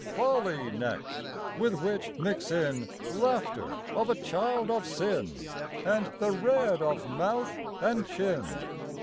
Folly next: with which mix in Laughter of a child of sin, And the red of mouth and chin.